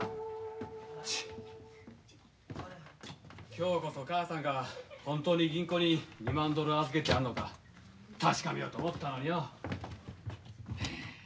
今日こそ母さんが本当に銀行に２万ドル預けてあるのか確かめようと思ったのによ。